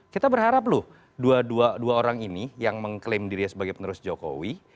kita berharap loh dua orang ini yang mengklaim dirinya sebagai penerus jokowi